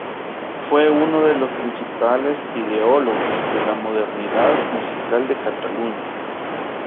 Fue uno de los principales ideólogos de la modernidad musical de Cataluña.